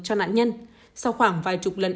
cho nạn nhân sau khoảng vài chục lần